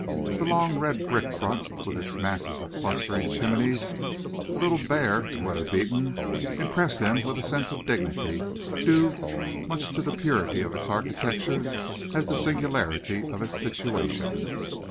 Its long, red brick front with its masses of clustering chimneys, a little bare and weather beaten, impressed him with a sense of dignity due as much to the purity of its architecture as the singularity of its situation.